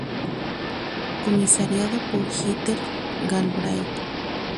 Comisariado por Heather Galbraith.